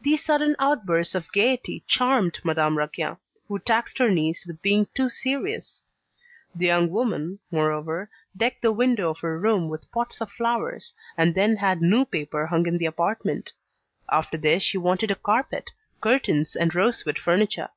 These sudden outbursts of gaiety charmed Madame Raquin, who taxed her niece with being too serious. The young woman, moreover, decked the window of her room with pots of flowers, and then had new paper hung in the apartment. After this she wanted a carpet, curtains and rosewood furniture.